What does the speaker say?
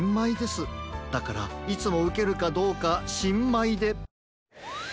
だからいつもウケるかどうかしんまいで。